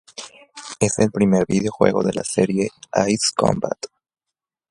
Es el primer videojuego de la serie "Ace Combat".